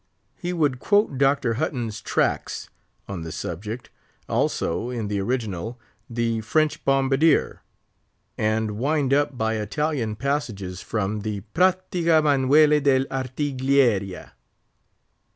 He would quote Dr. Hutton's Tracts on the subject, also, in the original, "The French Bombardier," and wind up by Italian passages from the "Prattica Manuale dell' Artiglieria."